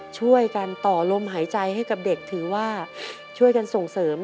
ช่วยกันต่อลมหายใจให้กับเด็กถือว่าช่วยกันส่งเสริม